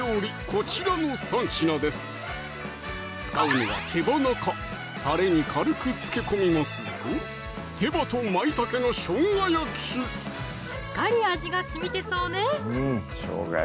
こちらの３品です使うのは手羽中たれに軽く漬け込みますぞしっかり味がしみてそうね